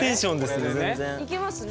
行けますね。